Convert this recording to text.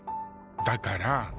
だから。